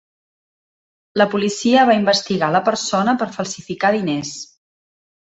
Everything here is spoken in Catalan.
La policia va investigar la persona per falsificar diners.